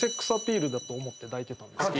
だと思って抱いてたんですけど。